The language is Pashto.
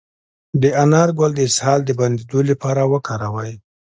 د انار ګل د اسهال د بندیدو لپاره وکاروئ